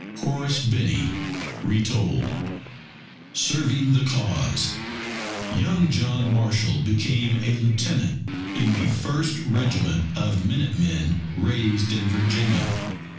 Horace Binney (Retold) SERVING THE CAUSE Young John Marshall became a Lieutenant in the first regiment of Minute Men raised in Virginia.